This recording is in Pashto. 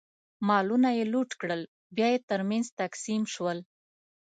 مالونه یې لوټ کړل، بیا یې ترمنځ تقسیم شول.